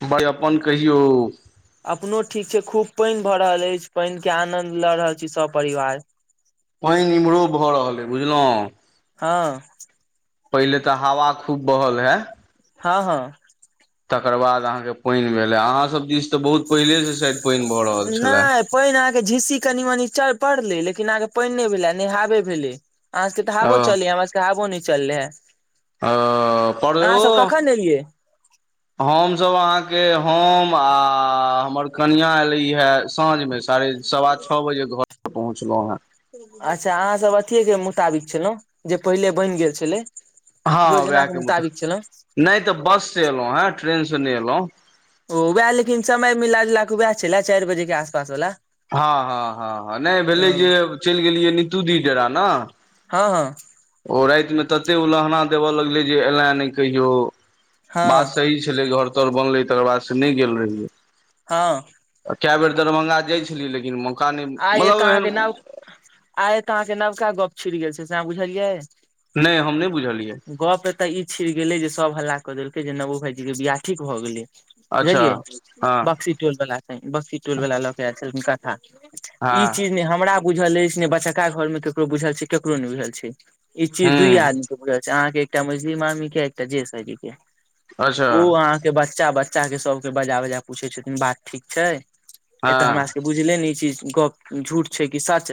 [unintelligible] अपन कहियौ अपनो ठीक छै खूब पैनि भऽ रहल अछि पैनि के आनन्द लऽ रहल छी सब परिवार पैन इम्हरो भऽ रहल अइ बुझलहुँ हँ पहिले तऽ हवा खूब बहल ए हँ हँ तकर बाद अहाँके पैन भेलै अहाँ सभ दिस तऽ बहुत पहिले से शायद पानि भऽ रहल छलए नहि पानि अहाँके झिस्सी कनि मनी चर पड़लै लेकिन अहाँके पानि नहि भेलै नय आबे भेलै अहाँ सबके तऽ ओ हावो चलय या हमरा सबके हावो न चललय है आ [unintelligible] अहाँ सब कखन एलियै हम सब अहाँके हम आ हमर कनिया एले हे साँझ मे से साढ़े सवा छः बजे घर पर पहुँचलहुँ हँ अच्छा अहाँसभ अथिएके मुताबिक छलहुँ जे पहिले बनि गेल छलै योजना के मुताबिक छलो नहि तऽ बस से एलहुं हे ट्रेन से नहि एलहुँ ओ वेह लेकिन समय मिला जुला कऽ उएह छलै चैर बजे के आसपास वला हँ हँ हँ ह नहि भेलै जे चलि गेलियै नितू दी डेरा न हँ हँ ओ राति मे तते उलहना देबअ लगलै जे एलअ नहि कहियो बात हँ सही छलै घर तर बनलै तकर बाद सँ नहि गेल रहियै हँ कए बेर दरभंगा जाइ छलियै लेकिन मौका नहि आइ एतऽ मतलब अहाँके एहन नव आइ तऽ अहाँके नवका गप छिड़ गेल छै से अहाँ बुझलियै नहि हम नहि बुझलियै गप एतअ ई छिड़ गेलै जे सब हल्ला कऽ देलकै जे नवो भाईजी के बियाह ठीक भऽ गेलै अच्छा बुझलियै हँ बक्सी टोल बला संगे बक्सी टोल बाला लऽ के आयल छलखीन कथा ई हँ चीज ने हमरा बुझल अछि ने बच्चाका घर मे केकरो बुझल छै केकरो नहि बुझल छै ई चीज दुये हूँ आदमी के बुझल छै अहाँके एकटा मैझली मामी के एकटा जेस भाईजी के अच्छा ओ अहाँके बच्चा बच्चा के सबके बजा बजा पूछैत छथिन बात ठीक छै एतऽ हमरा हँ सभके बुझले नै छै गप झूठ छै कि सच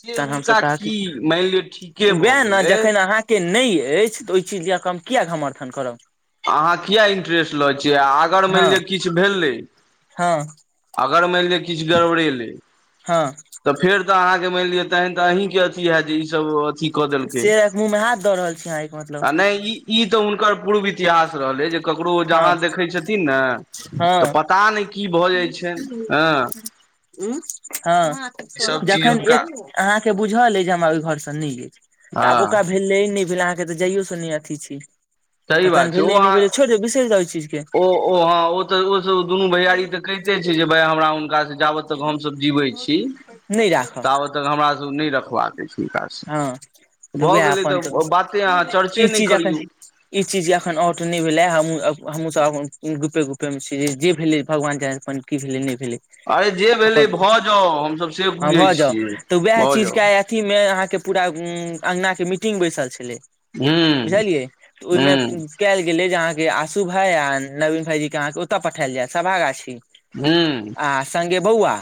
से हम सब हुनका ताकि की मानि लिअ ठीके भऽ वएह न गेलै जखन अहाँ नै अछि तऽ ओहि चीज ल कऽ हम किए घमर्थन करब अहाँ किया इंट्रेस लऽ छियै आ अगर हँ मानि लिअ किछु भेलय हँ अगर माएन लिय किछ गड़बड़ेलै हँ तऽ फेर तऽ अहाँके मानि लिअ तहन तऽ अहिके अथी हैत जे ई सभ अथी कऽ देलकै से मुँहमे हाथ दऽ रहल छीयै आहाँ आ मतलब नहि ई ई तऽ हुनकर पूर्व इतिहास रहलय जे ककरो हँ जहाँ देखै छथिन ने हँ तऽ का नै कि भो भऽ जाइ छैन हँ। हू हँ ईसभ चीज जखन हुनका एक अहाँके बुझल अछि जे हमरा ओहि घर स नै अछि तऽ आब हँ ओका भेलै नै भेलै अहाँके तऽ जाइयो स नै अथी छै सही बात छै ओ चीजके अह ओ ओ हँ ओ तऽ ओ सब त दुनू भैयरी कहिते छै भाय हमरा हुनका स जाबत तक हमस जीवै छी नहि राखब ताबतक त हमरास नै रखबाक हँ [unintelligible] तऽ भऽ वएह गेलै अपन तऽ बाते अहाँ चर्चे ई नै चीज एखन करियौ ई चीज के अखन औट नै भेलाय हमहू सब गुपे गुपे मे छी जे भेले भगवान जाने अपन की भेलै नै भेलै। अरे जे भेलै अपन भऽ जाउ हमसभ से बुझै छियै भऽ जाउ अथी मे अहाँ के पूरा अंगना के मीटिंग बैसल छलै। हूँ बुझलियै त ओईमे हूँ कैइल गेलै जे अहाँ के आशू भाईआ नविन भाई जी के अहाँ के ओतय पठायल जायत सभा गाछी। हूँ आ संगे बौआ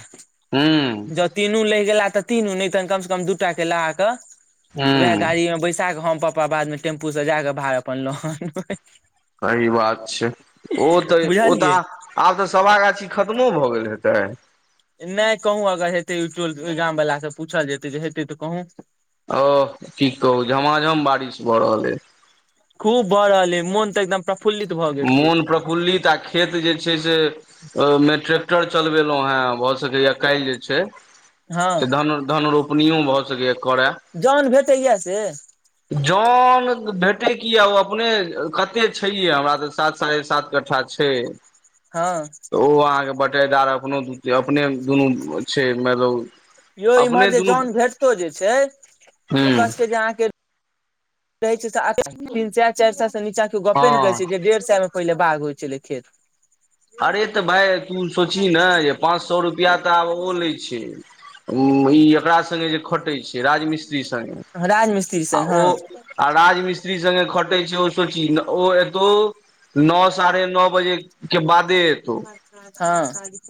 हूँ ज। तीनू लहि गेला तऽ तीनू नै त कम से कम दू टा के लगाक वएह हूं गाड़ी मे बैसा क हम पा। बाद मे टेम्पू स जाक भाड़ अपन ल अनबै। सही बात छै ओ तऽ ओ बुझलियै तऽ आब तऽ सभागाछी खत्मो भऽ गेल हेताय नै कहूँ अगर हेतै ओहि गाम वला स पूछल जेतै जे हेतै तऽ कहूँ ओ की कहू झमाझम बारिश भऽ रहल अई खूब भ रहल यै मोन तऽ एकदम फुलित भ गेल। छै मोन प्रफुल्लित आ खेत जे छै से मेट क टर चलबेलौ हाँ भ सकेया काल्हि जे हँ छै धन धनरोप अपनियो भऽ सकैए करय जन भेटैया से जोन भेटै किया ओ अपने कते छैये हमरा तऽ सात साढ़े सात कठ्ठा छै। हाँ। ओ अहाँके बटेदार अपनो अपने दुनू छै मतलब हौ इमहर अपने जे दुनू जन भेटतो जे छै ओकर हूं सब कहै छै त तीन सए चारि साल से नीचा के गपे नै कहै हँ छै जे डेढ़ सए मे पहिले बाग होइत छलै खेत अरे तऽ भाय तू सोचही न जे पाँच सए रुपआ तऽ आब ओ लै छै मी ई एकरा संगे जे खटै छै राजमिस्त्री संगे राज मिस्त्री आ संग ओ हँ आ राजमिसत्री संगे ख कटे छै ओ सोची ओ एतौ नो ओ साढ़े नोओ बजे के बादे तो हँ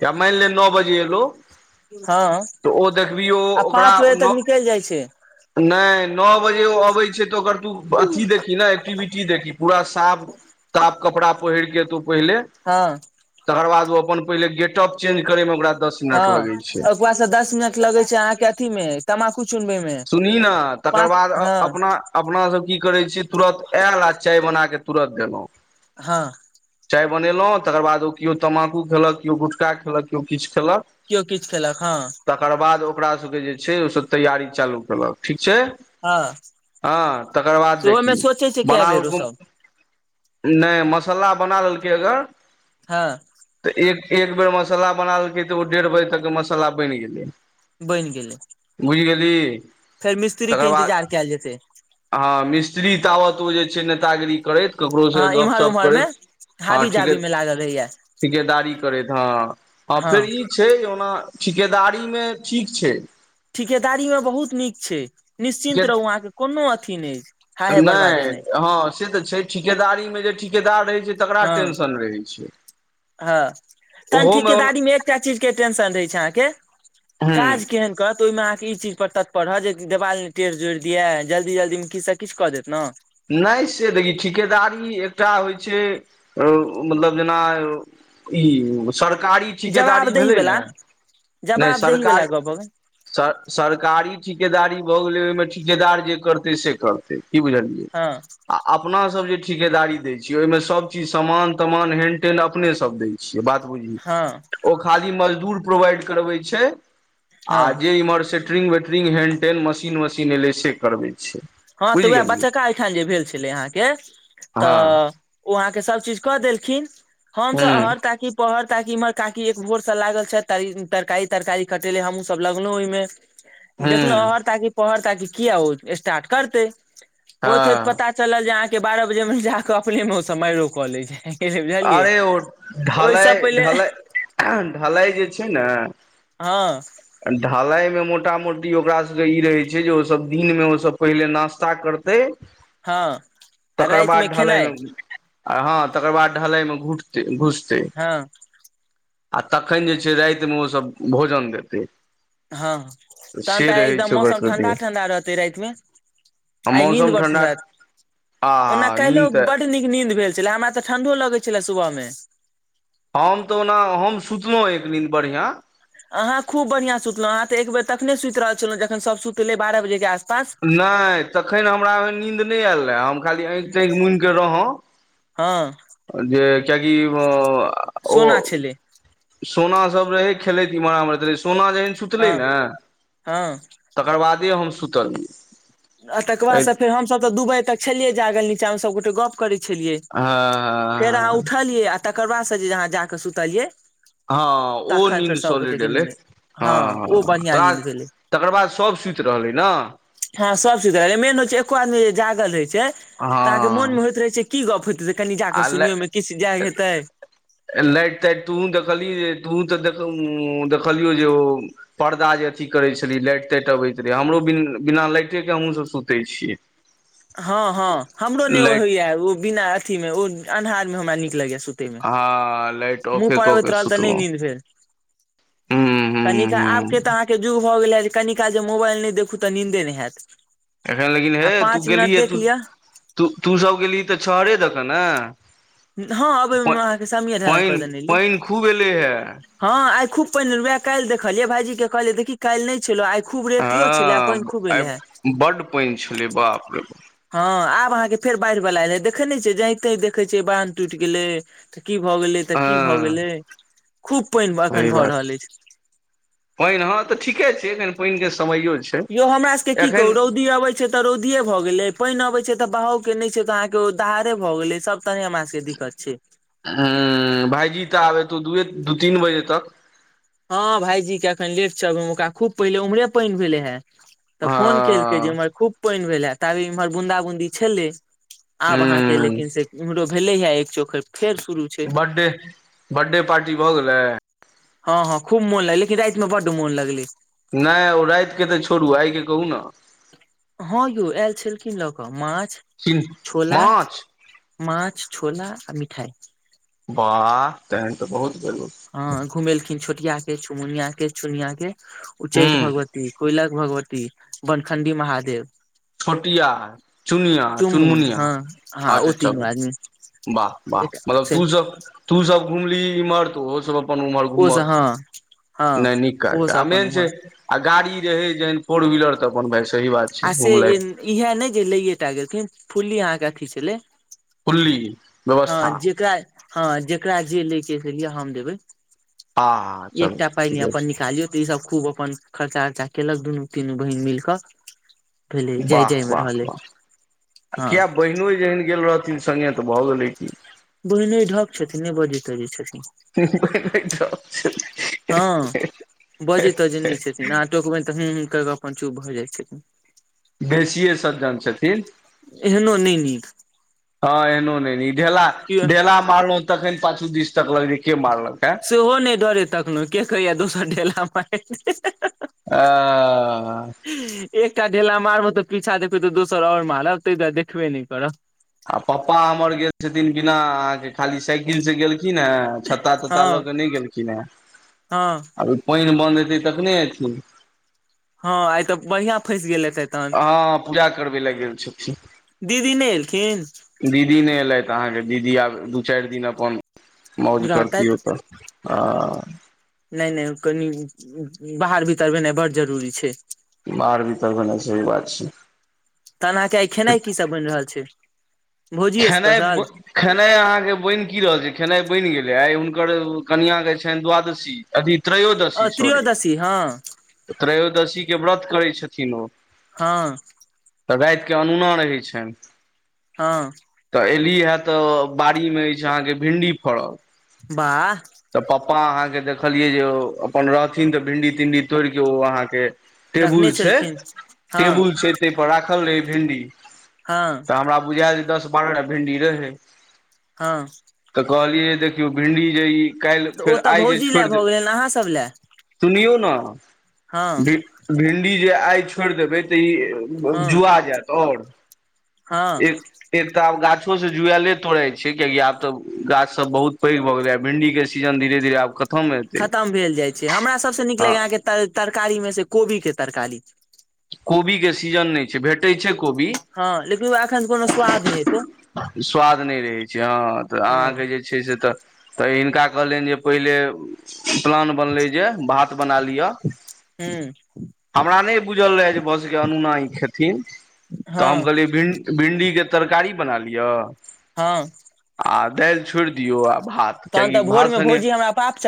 या मानि ले नओ बजे एलौ हँ तऽ ओ देखबिहि ओ आ ओकरा पाँच उ बजे न तक निकलि जाइ छै नै नओ बजे ओ अबै छै तऽ ओकर तू अथी देखही ने एक्टिविटी की देखि पूरा साफ ताप कपड़ा पहिरके एतौ पहिले हाँ। तकर बाद ओ अपन पहिले गेटप चेंज करै मे ओकरा दस मिनट लगै छै। आ दस मिनट लगै छै अहां के अथी मे तम्बाकू चुनबै मे सुनही न तकर पाँच बाद अ हँ अपना। अपना सब की करै छियै तुरत आयल आ चाय बना के तुरत देलहुँ हँ चाय बनेलौं तकर बाद ओ केओ तमबाकू खेलक केओ गुटखा खेलक केओ किछु खेलक कियो किछु खेलक हँ तकर बाद ओकरा सबके जे छै ओ सभ तैयारी चालू केलक ठीक छै हँ हँ तकर बाद सेहो मे देखही सोचै छै कए बनाओ बेर ओ कुम सब नै मसाला बना लेलकै अगर हँ तऽ एक एक बेर मसाला बना लेलकै तऽ ओ डेढ़ बजे तकके मसाला बनि गेलै बनि गेलै बुझि गेलही फेर मिस्त्री के इन्तजार कैल जेतै हँ मिस्त्री तावत ओ जे छै नेतागिरी करैत ककरो से हँ गप इम्हर सप उम्हर मे करैत हँ हाबी ठीके जाबी मे लागल रहैया ठिकेदारी करैत हँ हँ आ फेर ई छै जे ओना ठिकेदारी मे ठीक छै ठिकेदारियो बहुत नीक छै निश्चिन्त रहू अहाँ के कोनो अथी नहि हा हे बरबादे नहि से तऽ छै ठिकेदारी मे जे ठिकेदार रहै छै तकरा हँ टेंशन रहै छै हँ तहन ओहोमे ओना ठिकेदारी मे एकटा चीज के टेंशन रहै छै अहाँके हूँ काज केहन कऽ तऽ ओहिमे अहाँके ई चीज पर तत्पर रहत जे देवाल ने टेर जोड़ि दिये जल्दी जल्दी मे किछु से किछ कऽ देत नऽ नहि से देखी ठिकेदारी एकटा होइ छै मतलब जेना ई सरकारी ठिकेदारी जवाबदेही भेलै ने वला नहि जवाबदेही वला सरकारी गप भऽ गेल स सरकारी ठिकेदारी भऽ गेलै ओहिमे ठिकेदार जे करतै से करतै की बुझलियै हँ आ अपना सब जे ठिकेदारी दै छियै ओइ मे सब चीज सामान तमान हेन टेन अपने सब दै छियै बात बुझही हँ ओ खाली मजदूर प्रोवाइड करबै छै आ हँ जे इम्हर सेट्रिंग वेट ट्रिंग हेंन टेन मशीन वशीन एलै से करबै छी हँ तऽ उहे बच्चाका एहिठाम जे भेल छलै अहाँके तऽ हँ ओ अहाँके सभ चीज कऽ देलखिन हमसब हूँ अहाँ ताकी पहर ताकी इम्हर काकी एक भोर सब लागल छै तऽ तरकारी तरकारी कटेेलै हमहुँ सब लगलौं ओहिमे हूँ देखलौं अहर ताकी पहर ताकी किया ओ स्टार्ट करतै होइत हँ होइत पता चलल जे अहाँ के बारह बजे मे जाकऽ अपने मे ओ सब माइरो कऽ लै छै बुझलियै अरे ओ ढलाइ ओहिसँ पहिले ढलाइ ढलाइ जे छै ने हँ ढालई मे मोटा मोटी ओकरा सबके ई रहै छै जे ओ सब दिन मे ओ सब पहिले नास्ता कर तै हँ आ तकर रातिमे बाद ढलाइ खेनाइ मे आ हँ तकर बाद ढलाई मे घुटतै घुसतै हँ आ तखन जे छै रातिमे ओ सब भोजन देतै हँ तहन से तऽ आय रहै एकदम छै ओकर मौसम सबके ठंडा आ ठंडा रहतै राति मे आय नीन्द मौसम बड़ सुन्दर ठण्डा ऐत आ ओना काल्हो नीन्द तऽ बड़ नीक नीन्द भेल छलय हमरा तऽ ठंढ़ो लगै छलै सुबह मे हम तऽ ओना हम सुतलहुँ एक नीन बढ़िआँ अहाँ खूब बढ़ियाँ सुतलहुँ अहाँ तऽ एक बेर तखने सुति रहल छलहुँ जखन सब सुतलै बारह बजेक आस नहि तखन हमरा ओहेन नीन्द नहि आयल रहे हम खाली आँखि ताँखि मुनि कऽ रहौ हँ अ जे कियाकी ओ सोना छलै सोना सब रहै खेलैत एम्हर आम्हर कहलियै सोना जहन सुतलै हँ ने हँ तकर बादे हम सुतलियै आ तकर बाद से फेर हमसभ तऽ दू बजे तक छलियै जागल नीचा मे सब गोटे गप की करै छलियै फेर अहाँ हँ उठऽलियै आ तकर बाद से जे अहाँ जाके सुतऽलियै हँ ओ नींन्द सोलिड एलै हँ ओ हँँ बढ़ियां त। नींद भेलै तकर बाद सभ सुइत रहलै न। हँ सब सुति रहलै मेन होय छै एको आदमी जे जागल रहय छै हँ त अहाँ के मन मे होइत रहे छै की गप होइत छै। कनि आ जाके ला सुनियो मे किछु जाय हेतै। लाइट ताइट तुहू देखलियै जे तोहूँ त देख देखलियौ जे ओ। पर्दा जे अथी करै छलियै लाइट ताइट अबैत रहै हमरो बिन बिना लाइटेके हमहूँसभ सुतै छियै। हँ हँ हमरो नहि ओ लाइट होइया ओ बिना अथी मे ओ अन्हार मे हमरा नीक लगैया सु। तैमे हँ लाइट मुह ऑफे पड़ कऽ आबैत के रहल त नै सुतलहुँ निंद भेल। हूँ हूँ कनिका आबके हूँ त अहाँके जुग भ गेल हे जे कनिकाल जे मोबाइल नहि देखू त निन्दे नहि हेएत। एखन लेकिन हे तू गेलिहिहे तू तू तूसब गेलही त छहरे दक ने। हँ प अबैमे अहाँके समीर ढलान पनि पर देने रहियै पनि खूब एलै हे। हँ आय खूब पइन एलौये काइल देखलीये भायजी के कहलिये देखी काइल नहि छलो आ आइ। खूब रेतियो छलै आ पानि हँ खूब आय एलै हे बड्ड पाइन छलै बाप रे बाप। हँ आब अहाँके फेर बाढ़ि बला एलैये देखै नहि छियै जही ताहिं देखै छियै बान्ध टूटि गेलै। त की भ गेलै त की भ हँ गेलै खूब पाइन अखन भ रहल अछि। पाइन हँ त ठीके छै एखन पानि के समयो छै। यौ हमरा सब के की कहु एखन रौदी अपने। छै त रौदिये भ गेलय पानि अबै छै त बहाव के नहि छै त अहाँ के दहारे भ गेलय सब तरहे हमरा सबके। कर छी। ह भायजी त आब एतौ दूए दू तीन बजे तक। हँ भायईजी के एखन लेट छै ओकरा खूब पहिले ओम्हरे पाइन भेलै हें। त हँ फोन केलकै जे इमहर खूब। पानि भेल हे ताबत इम्हर बूंदा बूंदी छेले ह आब अहाँ के लेकिन से इमहरो। भेलइ हा एक चोखर फेर शुरू। छै बर्डे बर्डे पार्टी भ गेलै। हँ हँ खूब मोन लगै लेकिन राति मे बड मोन लगलै। नहि ओ राति के त छोड़ू आय के कहू ने। हँ यौ आयल छेलखिन ल क माछ ने छोला। माछ माछ छोला आ मिठाइ। बाह तहन त बहुत भेलो। हँ घुमेलखिन छोटिया के चुमुनिया के चुनिया के। उच्चैठ हूँ भगवती कोइलख भगवती बनखण्डी महादेव। छोटिया चुनिया चुमुन चुनमुनिया हँ हँ अच्छा ओ तीनू चल। आदमी वाह वाह एक मतलब से तू सब तू सब घुमली इम्हर त ओहो सब। अपन उम्हर ओ सब घूमल हँ हँ नहि नीक ओहो काज सब आ अपन मेन छै। उम्हर आ गाड़ी रहे जहन फोर व्हीलर त अपन भाय सही बात। छै आ से घुमलथि इएह नै जे लैए टा गेलखिन फुल्ली अहाँके अथी छेलै। फुल्ली हँ व्यवस्था जेकरा हँ जेकरा जे ले के से लीय हम देबै। आह। एकटा पाई ने अपन निकालियो त ई सब खूब अपन खर्चा बर्चा केलक दुनू तीनू बहिन मिल क। भेलै जाइ वाह जाइमे वाह रहलै वाह आ हँ। किया बहिनो जहन गेल रहथिन सङ्गे त भ गेलै कि। बहिनोइ ढक छथिन नहि बजई तजीइ छथिन। त [inaudible] [unintelligible] हँ। बजै तजै नहि छथिन आहा टोकबैन त हू हुँ क क अपन चुप भ जाइत छथिन। बेसियए सज्जन छथिन। एहनो नै नीक। हँ एनो नहि न ढेला कियो ढेला मारलो तखन पाछू दीस तक लग के मारलक ह सेहो नहि डरे तक्लौ के कहैया दोसर ढेला मैर देत। आ। एकटा ढेला मारबह तऽ पीछा देखब तऽ दोसर ओर मारब ताहि दुआरे देखबे नहि करब आ पप्पा हमर गेल छथिन बिना अहाँके खाली साइकिल से गेलखिन ह छत्ता तत्ता हँ लऽ के नहि गेलखिन हँ हेँ पइन बन्द हेतै तखने एयथिन हँ आइ तऽ बढ़ियां फँस गेले हेतेथ हँ पूजा करबै लए गेल छथिन दीदी नहि एलखिन दीदी नहि एलैथ अहाँके दीदी आब दू चारि दिन अपन मौज करतियै रहतैथ ओतऽ आ नहि नहि कनि बाहर भीतरबेनाइ बड जरूरी छै बाहर भीतर भेनाय सही बात छै तहन अहाँके आई खेनाइ की सब बइन रहल छै भोजिये खेनाइ ब स्पेशल खेनाइ अहाँके बैन की रहल छै खेनाइ बनि गेलै आइ हुनकर कनिआं के छनि द्वादशी अथी अ त्रयोदशी सॉरी त्रयोदशी हँ त्रयोदशी के व्रत करै छथिन ओ हँ तऽ राइत के अनोना रहै छनि हँ तऽ एली हे तऽ बाड़ी मे अछि अहाँके भिंडी फड़ल बाह तऽ पप्पा अहाँकेँ देखलियै जे ओ अपन रहथिन तऽ भिन्डी तिंडी तोड़िके ओ अहाँके टेबुल रखने छै छलखिन हँ टेबुल छै ताहिपर राखल रहे भिंडी हँ तऽ हमरा बुझाएल जे दस बारहटा भिंडी रहै हँ तऽ कहलियै देखियौ भिंडी जे ई काल्हि तऽ ओ फेर तऽ आइ जे भौजी लए छोड़ि दे भऽ गेलनि अहाँ सब लए सुनियौ ने हँ भ भिंडी जे आइ छोड़ि देबै तऽ ई हँ जुआ जायत आओर हँ एक एक तऽ आब गाछो से जुएले तोड़े छै कियाकि आब तऽ गाछ सब बहुत पैघ भऽ गेले भिंडी के सीजन धीेरे धीेरे आब ख खतम भेल जाइत छै हमरा सभसँ नीक आ लगैए अहाँके तरकारीमे से कोबीके तरकारी छै कोबीक के सीजन नहि छै भेटैत छै कोबी हँ लेकिन ओ एखन कोनो स्वाद नहि हेतै स्वाद नहि रहै छै हँ तऽ हँ अहाँके जे छै से तऽ तऽ हिनका कहलनि जे पहिले प्लान बनलै जे भात बना लिअ हँ हमरा नहि बुझल रहै जे भऽ सकै अनुना ई खेथिन तऽ हम हँ कहलियै भिन भिन्डी के तरकारी बना लिअ हँ आ दाइल छोड़ि दियौ आब तहन तऽ भोर मे भोजी हमरा पाप